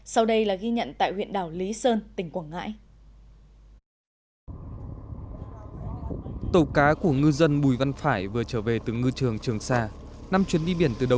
sau đây là ghi nhận tại huyện đảo lý sơn tỉnh quảng ngãi